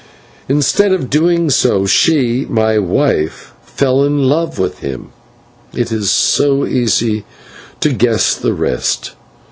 Instead of so doing, she, my wife, fell in love with him. It is easy to guess the rest.